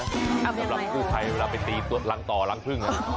เอาไปยังไงสำหรับผู้ใครเวลาไปตีรังต่อรังพึ่ง